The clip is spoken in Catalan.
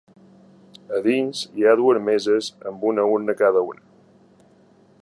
A dins hi ha dues meses amb una urna a cada una.